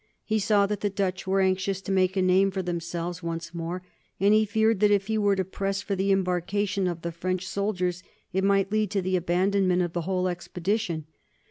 He saw that the Dutch were anxious to make a name for themselves once more, and he feared that if he were to press for the embarkation of the French soldiers it might lead to the abandonment of the whole expedition.